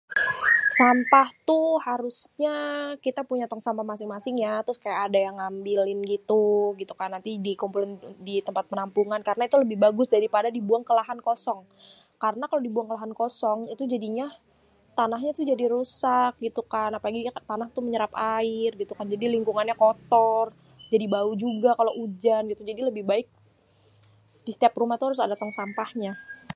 Sampah tuh harusnya kita punya tong sampah masing-masing ya. Terus kayak ada yang ngambilin gitu, gitu kan. Nanti dikumpulin di tempat penampungan karna itu lebih bagus daripada dibuang ke lahan kosong. Karna kalo dibuang ke lahan kosong itu jadinya tanahnya itu jadi rusak gitu kan, apalagi tanah itu menyerap air gitu kan jadi lingkungannya kotor, jadi bau juga kalo ujan gitu. Jadi lebih baik di setiap rumah tuh harus ada tong sampahnya.